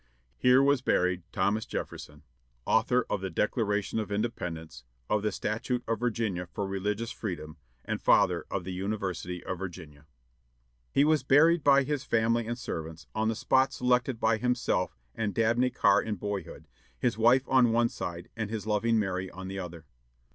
Here was buried THOMAS JEFFERSON, Author of the Declaration of Independence, Of the Statute of Virginia for Religious Freedom, And Father of the University of Virginia. He was buried by his family and servants, on the spot selected by himself and Dabney Carr in boyhood, his wife on one side and his loving Mary on the other.